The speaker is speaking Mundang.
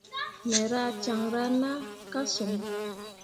Me rah caŋra na ka son.